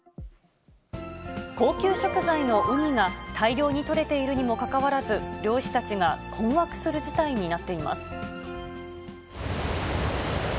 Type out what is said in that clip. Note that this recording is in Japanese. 高級食材のウニが、大量に取れているにもかかわらず、漁師たちが困惑する事態になっています。